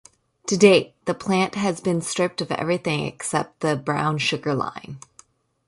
To date the plant has been stripped of everything except the brown sugar line.